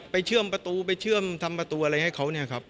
เชื่อมประตูไปเชื่อมทำประตูอะไรให้เขาเนี่ยครับ